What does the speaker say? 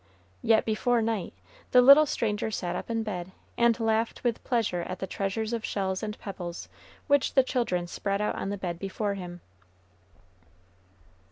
Yet, before night, the little stranger sat up in bed, and laughed with pleasure at the treasures of shells and pebbles which the children spread out on the bed before him.